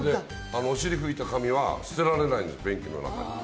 お尻拭いた紙は捨てられないんです、便器の中に。